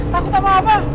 takut sama apa